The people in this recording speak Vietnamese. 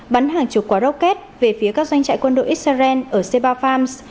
bắn hàng chục quả rocket về phía các doanh trại quân đội israel ở seba farms